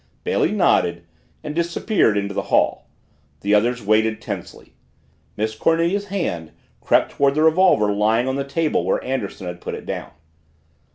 Bailey nodded and disappeared into the hall. The others waited tensely. Miss Cornelia's hand crept toward the revolver lying on the table where Anderson had put it down.